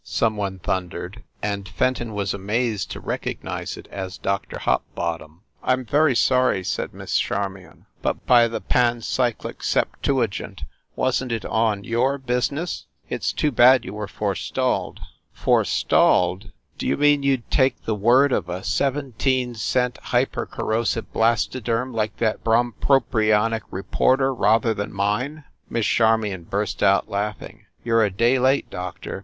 some one thundered, and Fenton was amazed to recognize it as Doctor Hopbottom. "I m very sorry," said Miss Charmion. "But, by the pancyclic septuagint, wasn t it on your business ?" "It s too bad you were forestalled." 318 FIND THE WOMAN "Forestalled! D you mean you d take the word of a seventeen cent hypercorrosive blastoderm like that brompropionic reporter rather than mine?" Miss Charmion burst out laughing. "You re a day late, Doctor.